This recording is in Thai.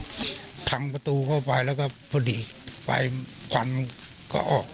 ส่วนนางสุธินนะครับบอกว่าไม่เคยคาดคิดมาก่อนว่าบ้านเนี่ยจะมาถูกภารกิจนะครับ